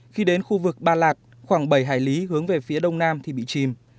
khi đến khu vực ba lạc khoảng bảy hải lý hướng về phía đông nam thì bị chìm